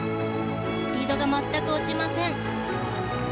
スピードが全く落ちません。